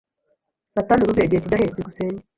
Saa tanu zuzuye? Igihe kijya he? byukusenge